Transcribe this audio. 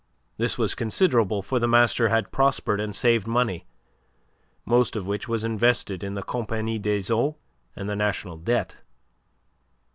This was considerable, for the master had prospered and saved money, most of which was invested in the Compagnie des Eaux and the National Debt.